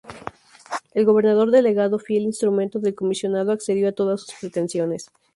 El gobernador delegado, fiel instrumento del Comisionado, accedió a todas sus pretensiones.